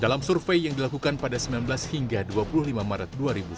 dalam survei yang dilakukan pada sembilan belas hingga dua puluh lima maret dua ribu sembilan belas